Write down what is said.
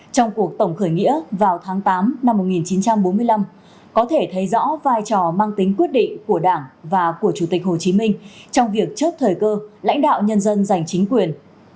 trong cuộc tổng khởi nghĩa vào tháng tám năm một nghìn chín trăm bốn mươi năm có thể thấy rõ vai trò mang tính quyết định của đảng và của chủ tịch hồ chí minh trong việc chấp thời cơ lãnh đạo nhân dân giành chính quyền